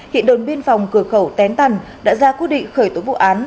hiện đồn biên phòng cửa khẩu tén tần đã ra quyết định khởi tố vụ án